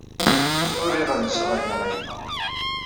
Ur riɣ ad lseɣ aya a yemma.